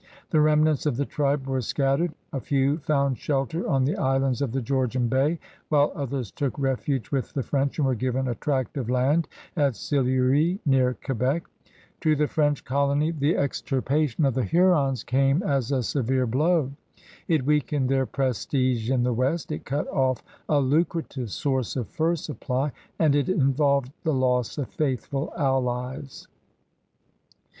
The renmants of the tribe were scat tered: a few found shelter on the islands of the Georgian Bay, while others took refuge with the French and were given a tract of land at Sillery, near Quebec. To the French colony the extirpation of the Hurons came as a severe blow. It weakened their prestige in the west, it cut off a lucrative source of fur supply, and it involved the loss of faithful allies.